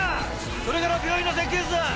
それから病院の設計図だ！